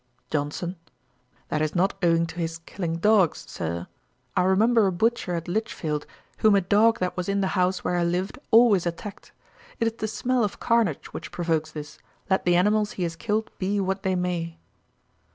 JOHNSON. 'That is not owing to his killing dogs, Sir. I remember a butcher at Lichfield, whom a dog that was in the house where I lived, always attacked. It is the smell of carnage which provokes this, let the animals he has killed be what they may.'